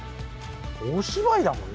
お芝居だもんね。